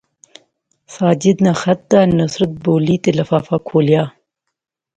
ساجد ناں خط دا، نصرت بولی تے لفافہ کھولیا